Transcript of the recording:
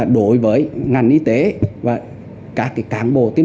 đối với ngành y tế và các cán bộ tiêm chủng sẽ tiếp tục